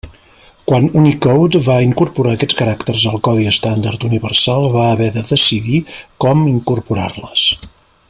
Quan Unicode va incorporar aquests caràcters al codi estàndard universal va haver de decidir com incorporar-les.